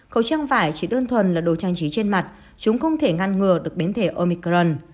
khẩu trang vải chỉ đơn thuần là đồ trang trí trên mặt chúng không thể ngăn ngừa được biến thể omicron